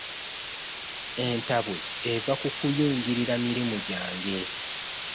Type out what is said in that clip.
Entabwe eva ku kuyingirira mirimu jange.